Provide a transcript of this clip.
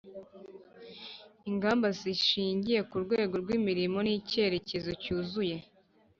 ingamba zishingiye ku rwego rw'imirimo n'icyerekezo cyuzuye,